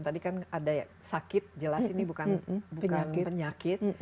tadi kan ada sakit jelas ini bukan penyakit